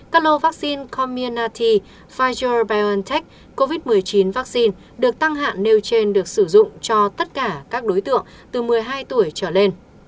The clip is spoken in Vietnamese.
các lô vaccine commirti pfijer biontech covid một mươi chín vaccine được tăng hạng nêu trên được sử dụng cho tất cả các đối tượng từ một mươi hai tuổi trở lên